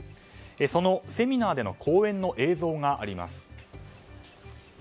そのセミナーでの講演の映像があります。